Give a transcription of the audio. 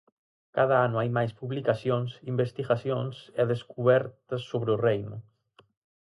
Cada ano hai máis publicacións, investigacións e descubertas sobre o reino.